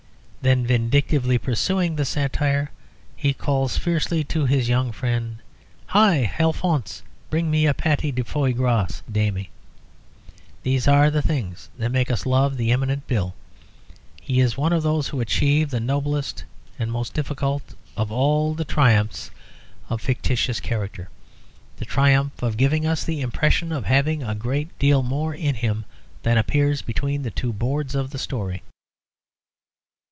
Then, vindictively pursuing the satire, he calls fiercely to his young friend, "Hi, Alphonse! bring me a patty de foy gras, damme." These are the things that make us love the eminent Bill. He is one of those who achieve the noblest and most difficult of all the triumphs of a fictitious character the triumph of giving us the impression of having a great deal more in him than appears between the two boards of the story.